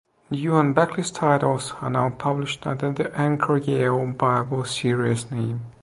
New and backlist titles are now published under the Anchor Yale Bible Series name.